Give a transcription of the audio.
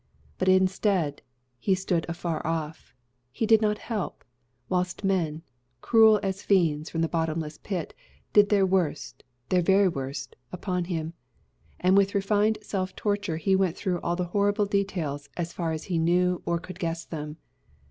But, instead, He stood afar off He did not help; whilst men, cruel as fiends from the bottomless pit, did their worst, their very worst, upon him. And with refined self torture he went through all the horrible details, as far as he knew or could guess them.